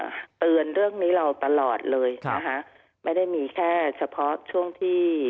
เตือนเรื่องนี้เราตลอดเลยนะคะไม่ได้มีแค่เฉพาะช่วงที่